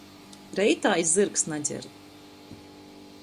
Reitā i zyrgs nadzer.